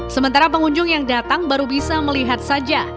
sementara pengunjung yang datang baru bisa melihat saja